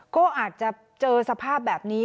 ก็อาจจะเจอสภาพแบบนี้